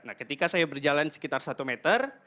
nah ketika saya berjalan sekitar satu meter